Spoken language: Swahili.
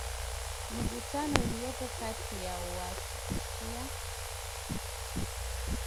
mvutano uliopo kati ya washia